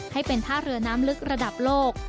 ให้เป็นท่าเรือน้ำลึกระดับโลก